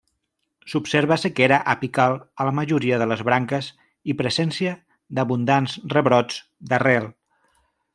S'observa sequera apical a la majoria de les branques i presència d'abundants rebrots d'arrel.